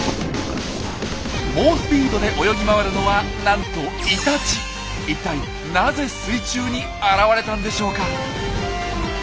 猛スピードで泳ぎ回るのはなんと一体なぜ水中に現れたんでしょうか？